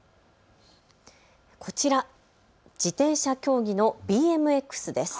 こちら、自転車競技のＢＭＸです。